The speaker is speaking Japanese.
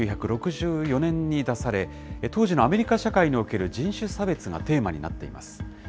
１９６４年に出され、当時のアメリカ社会における人種差別がテーマになっています。